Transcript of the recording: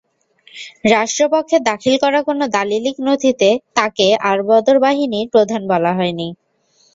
রাষ্ট্রপক্ষের দাখিল করা কোনো দালিলিক নথিতে তাঁকে আলবদর বাহিনীর প্রধান বলা হয়নি।